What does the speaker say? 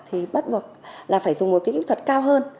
thì bắt buộc là phải dùng một cái kỹ thuật cao hơn